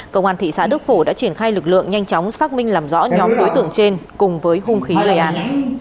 công an thị xã đức phổ đã triển khai lực lượng nhanh chóng xác minh làm rõ nhóm đối tượng trên cùng với hung khí gây án